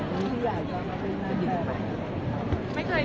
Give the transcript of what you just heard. คือขุนต่อไป